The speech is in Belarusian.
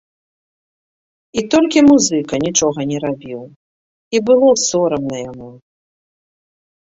І толькі музыка нічога не рабіў, і было сорамна яму.